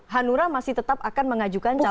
hanura masih tetap akan mengajukan calon